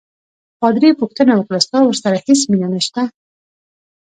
پادري پوښتنه وکړه: ستا ورسره هیڅ مینه نشته؟